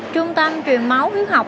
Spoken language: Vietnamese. trung tâm truyền máu huyết học